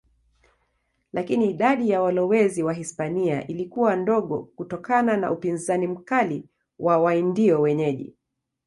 Lakini idadi ya walowezi Wahispania ilikuwa ndogo kutokana na upinzani mkali wa Waindio wenyeji.